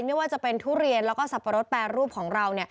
ไม่ว่าจะเป็นทุเรียนแล้วก็สับปะรดแปรรูปของเรา